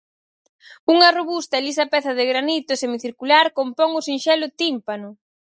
Unha robusta e lisa peza de granito semicircular compón o sinxelo tímpano.